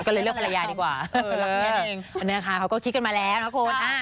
อันนี้แน่ค่ะเขาก็คิดกันมาแล้วนะครับ